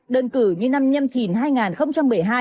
đơn cử như năm nhâm thìn hai nghìn một mươi hai